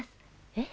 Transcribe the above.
えっ？